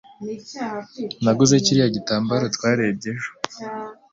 Naguze kiriya gitambaro twarebye ejo.